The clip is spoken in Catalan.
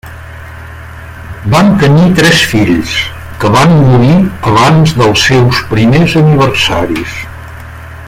Van tenir tres fills, que van morir abans dels seus primers aniversaris.